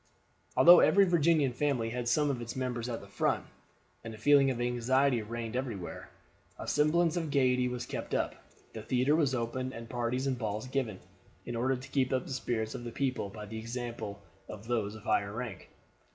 Although every Virginian family had some of its members at the front, and a feeling of anxiety reigned everywhere, a semblance of gaiety was kept up. The theater was opened, and parties and balls given, in order to keep up the spirits of the people by the example of those of higher rank.